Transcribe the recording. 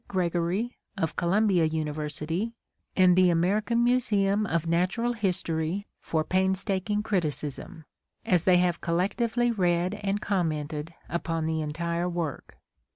Gregory of Columbia University and the American Museum of Natural History for painstaking criticism, as they have collectively read and commented upon the entire work.